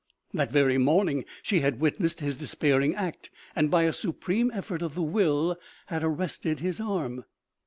That very morning she had witnessed his despairing act and by a supreme effort of the will had arrested his arm.